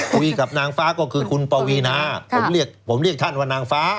คุยกับนางฟ้าก็คือคุณปวีนาผมเรียกผมเรียกท่านว่านางฟ้า